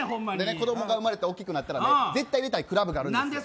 子供が生まれて大きくなったら絶対入れたいクラブがあるんです。